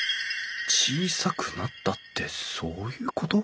小さくなったってそういうこと？